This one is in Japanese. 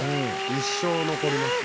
一生残りますよ。